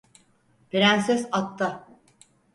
Prenses atta!